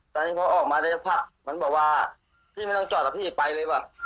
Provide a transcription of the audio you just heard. ตอนนี้เขาออกมาเดี๋ยวพักมันบอกว่าพี่ไม่ต้องจอดอะพี่ไปเลยป่ะ